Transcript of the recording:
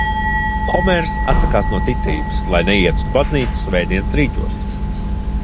Homērs atsakās no ticības, lai neietu uz baznīcu svētdienas rītos.